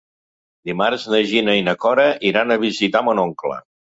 Dimarts na Gina i na Cora iran a visitar mon oncle.